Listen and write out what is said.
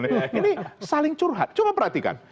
ini saling curhat coba perhatikan